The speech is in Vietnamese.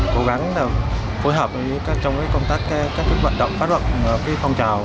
cố gắng phối hợp với các công tác các vận động phát luận phong trào